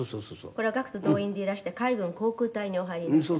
「これは学徒動員でいらして海軍航空隊にお入りになっていらした」